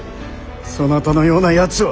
そなたのようなやつは！